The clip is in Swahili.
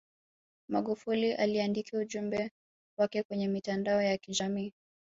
magufuli aliandike ujumbe wake kwenye mitandao ya kijamii